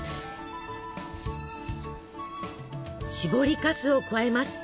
しぼりかすを加えます。